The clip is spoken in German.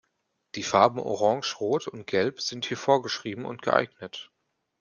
Die Farben Orange-Rot und Gelb sind hier vorgeschrieben und geeignet.